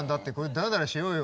だらだらしようよ。